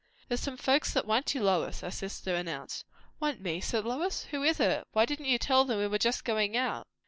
"There's some folks that want you, Lois," her sister announced. "Want me!" said Lois. "Who is it? why didn't you tell them we were just going out?"